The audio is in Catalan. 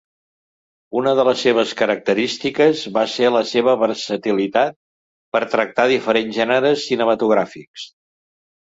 Una de les seves característiques va ser la seva versatilitat per tractar diferents gèneres cinematogràfics.